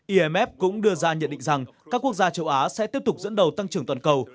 imf cũng đưa ra nhận định rằng các quốc gia châu á sẽ tiếp tục dẫn đầu tăng trưởng toàn cầu